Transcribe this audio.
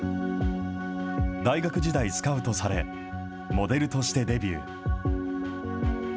大学時代、スカウトされ、モデルとしてデビュー。